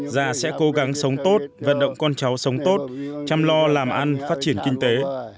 già sẽ cố gắng sống tốt vận động con cháu sống tốt chăm lo làm ăn phát triển kinh tế